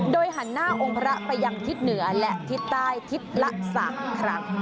โดยหันหน้าองค์พระไปยังทิศเหนือและทิศใต้ทิศละ๓ครั้ง